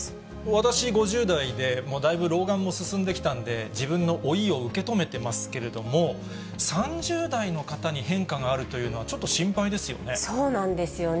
私、５０代で、だいぶ老眼も進んできたんで、自分の老いを受け止めてますけれども、３０代の方に変化があるというのは、ちょっと心配ですよね。